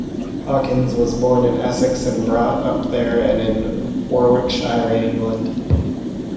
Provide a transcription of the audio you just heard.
Hawkins was born in Essex and brought up there and in Warwickshire, England.